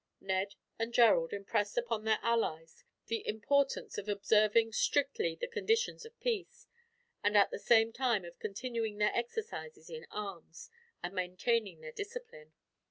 Ned and Gerald impressed upon their allies the importance of observing, strictly, the conditions of peace; and at the same time of continuing their exercises in arms, and maintaining their discipline.